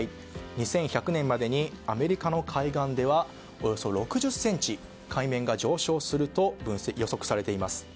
２１００年までにアメリカの海岸ではおよそ６０ｃｍ海面が上昇すると予測されています。